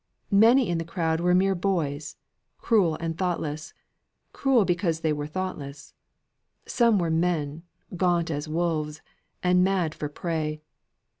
Many in the crowd were mere boys; cruel and thoughtless, cruel because they were thoughtless; some were men, gaunt as wolves, and mad for prey.